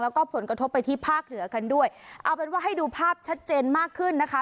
แล้วก็ผลกระทบไปที่ภาคเหนือกันด้วยเอาเป็นว่าให้ดูภาพชัดเจนมากขึ้นนะคะ